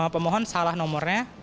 pemohon salah nomornya